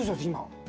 今。